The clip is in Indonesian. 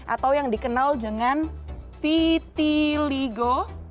atau yang dikenal dengan vtligo